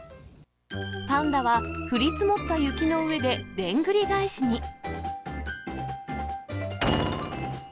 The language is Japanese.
パンダは降り積もった雪の上ででんぐり返しに。